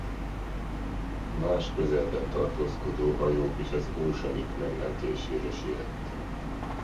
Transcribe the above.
Más közelben tartózkodó hajók is az Oceanic megmentésére siettek.